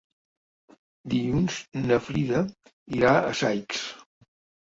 Dilluns na Frida irà a Saix.